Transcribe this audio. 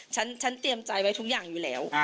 ฉันเตรียมใจไว้ทุกอย่างอยู่แล้ว